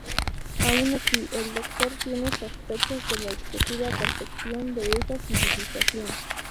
Aun así, el Doctor tiene sospechas de la excesiva perfección de esa civilización.